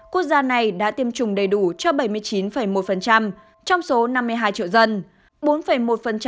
quốc gia này đã tiêm chủng đầy đủ cho bảy mươi chín một trong số năm mươi hai triệu dân